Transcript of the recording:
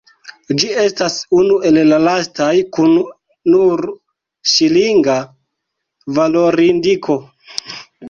Ĝi estas unu el la lastaj kun nur ŝilinga valorindiko.